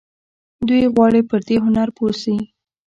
دوی غواړي پر دې هنر پوه شي.